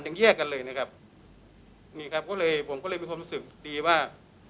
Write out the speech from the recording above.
แยกกันเลยนะครับนี่ครับก็เลยผมก็เลยมีความรู้สึกดีว่า